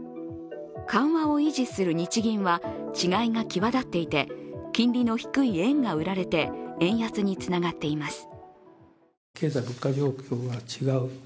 緩和を維持する日銀は違いが際立っていて、金利の低い円が売られて円安につながっています。